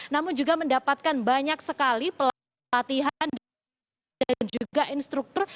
namun juga mendapatkan banyak sekali pelatihan dan juga instruktur